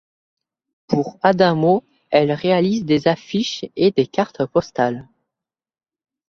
Pour Adamo, elle réalise des affiches et des cartes postales.